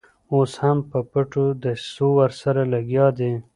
اوس هم په پټو دسیسو ورسره لګیا دي.